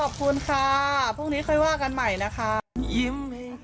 โดยอุดดีขึ้นวันนี้ครับ